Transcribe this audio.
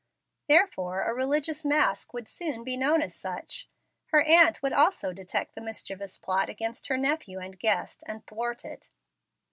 Therefore, a religious mask would soon be known as such. Her aunt also would detect the mischievous plot against her nephew and guest, and thwart it.